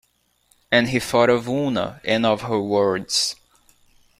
And he thought of Oona, and of her words.